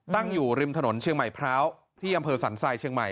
ตั้งอยู่ริมถนนเชียงใหม่พร้าวที่อำเภอสันทรายเชียงใหม่